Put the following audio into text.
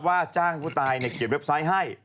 ว่าจ้างผู้ตายเขียนเว็บไซต์ให้